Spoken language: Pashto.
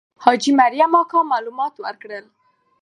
حاجي مریم اکا معلومات ورکول.